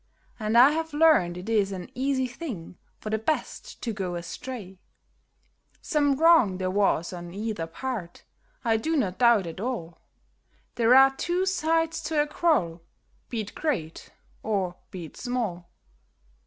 And I've learned it is an easy thing for the best to go astray ; Some wrong there was on either part, I do not doubt at all; There are two sides to a quarrel — be it great or be it small